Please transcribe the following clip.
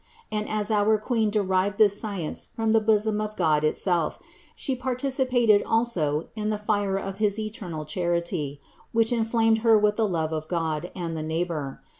And as our Queen derived this science from the bosom of God itself, She participated also in the fire of his eternal Charity, which inflamed Her with the love of God and the neighbor.